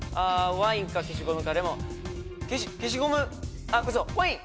ワインか消しゴムかレモン消しゴムあっ嘘ワイン！